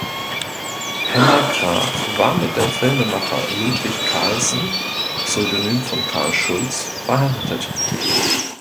Hella Graf war mit dem Filmemacher Ludwig Carlsen (Pseudonym von Karl Schulz) verheiratet.